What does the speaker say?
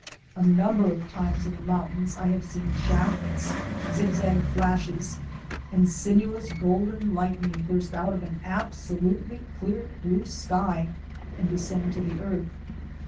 A number of times in the mountains I have seen shafts, zig zag flashes, and sinuous golden lightning burst out of an absolutely clear, blue sky and descend to the earth.